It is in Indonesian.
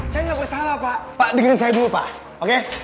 saya gak kesalah pak pak dengerin saya dulu pak oke